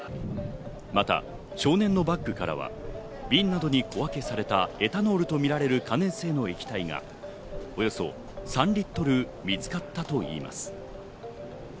また、少年のバッグからは瓶などに小分けされたエタノールとみられる可燃性の液体がおよそ３リットル見つかったといいます。